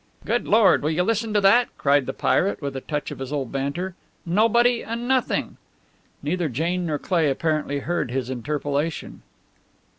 "Good Lord, will you listen to that?" cried the pirate, with a touch of his old banter. "Nobody and nothing?" Neither Jane nor Cleigh apparently heard this interpolation.